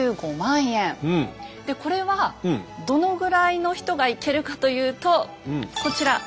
でこれはどのぐらいの人が行けるかというとこちら。